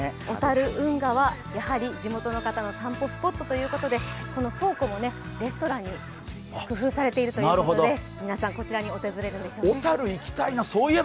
小樽運河は地元の方の散歩スポットということで、倉庫もレストランに工夫されているということで皆さんこちらに訪れるんでしょう。